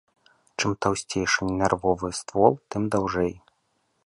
Чым таўсцейшы нервовы ствол, тым даўжэй.